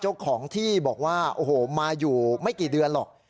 พระขู่คนที่เข้าไปคุยกับพระรูปนี้